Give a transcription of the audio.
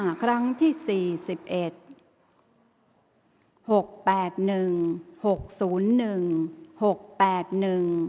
ข่าวแถวรับทีวีรายงาน